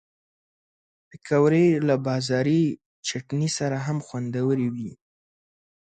پکورې له بازاري چټني سره هم خوندورې وي